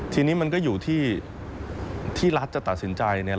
ทีนี้มันก็อยู่ที่รัฐจะตัดสินใจเนี่ย